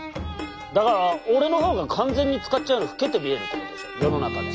だから俺の方が完全につかっちゃんより老けて見えるってことでしょ世の中で。